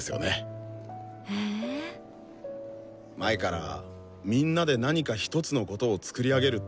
前からみんなで何か一つのことを作り上げるってことに憧れてて。